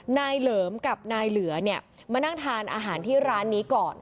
เหลิมกับนายเหลือเนี่ยมานั่งทานอาหารที่ร้านนี้ก่อน